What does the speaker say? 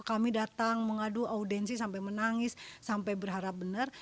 kami datang mengadu audiensi sampai menangis sampai berharap benar